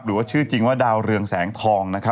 หรือว่าชื่อจริงว่าดาวเรืองแสงทองนะครับ